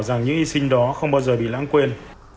rằng những hy sinh đó không bao giờ bị lãng quên